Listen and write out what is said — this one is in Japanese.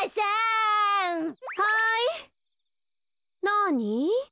なに？